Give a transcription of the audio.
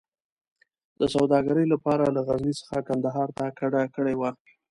د سوداګرۍ لپاره له غزني څخه کندهار ته کډه کړې وه.